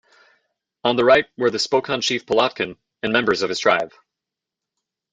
On the right were the Spokan chief Polatkin and members of his tribe.